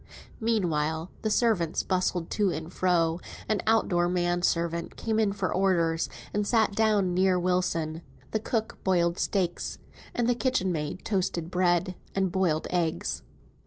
Meanwhile, the servants bustled to and fro; an out door man servant came in for orders, and sat down near Wilson; the cook broiled steaks, and the kitchen maid toasted bread, and boiled eggs.